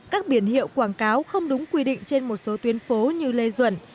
các biển hiệu quảng cáo không đúng quy định trên một số tuyến phố như lê duẩn